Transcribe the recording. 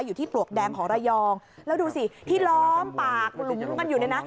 อยู่ที่ปลวกแดงของระยองแล้วดูสิที่ล้อมปากหลุมกันอยู่เนี่ยนะ